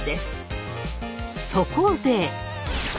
そこで。